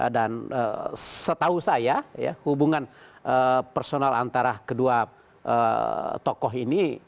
dan setahu saya hubungan personal antara kedua tokoh ini